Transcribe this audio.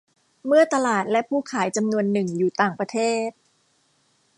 เมื่อตลาดและผู้ขายจำนวนหนึ่งอยู่ต่างประเทศ